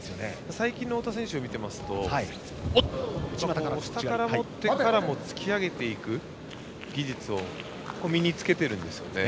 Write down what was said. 最近の太田選手を見てますと下から持ってからも突き上げていく技術を身につけているんですね。